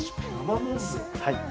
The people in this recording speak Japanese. はい。